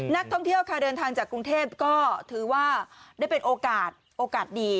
นักท่องเที่ยวค่ะเดินทางจากกรุงเทพก็ถือว่าได้เป็นโอกาสโอกาสดี